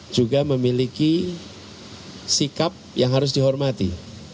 juga memiliki sikap yang harus dihormati